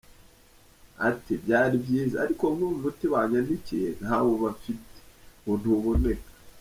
Ati “ byari byiza, ariko nkubu umuti banyandikiye ntawo bafite ngo ntuboneka.